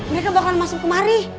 mereka bakal masuk kemari